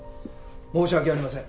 申し訳ありません。